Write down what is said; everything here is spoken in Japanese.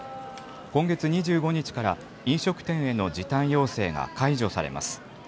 今月２５日から飲食店への時短要請が解除されます。